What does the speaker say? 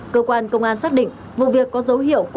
cơ quan công an xác định vụ việc có dấu hiệu